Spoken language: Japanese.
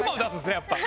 やっぱり。